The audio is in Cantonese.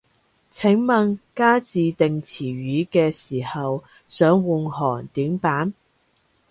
請問加自訂詞語嘅時候，想換行點辦